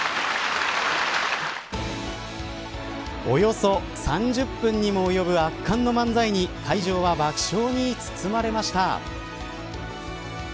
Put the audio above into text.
およそ３０分にも及ぶ圧巻の漫才に会場は爆笑に包まれました。